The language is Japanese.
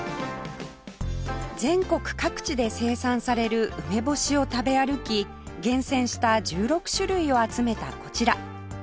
全国各地で生産される梅干しを食べ歩き厳選した１６種類を集めたこちら